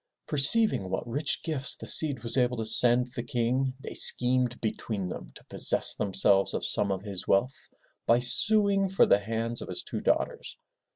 Perceiving what rich gifts the Cid was able to send the King they schemed between them to possess themselves of some of his wealth by suing for the hands of his two daughters.